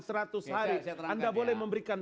seratus hari anda boleh memberikan